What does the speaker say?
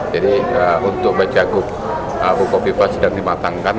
jadi untuk becakup buku kofifah sedang dimatangkan